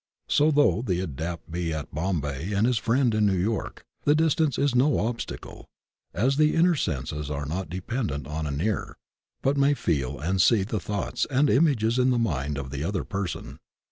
So though the Adept be at Bombay and his friend in New York, the distance is no obstacle, as the inner senses are not dependent on an ear, but may feel and see the thoughts and images in the mind of the other person.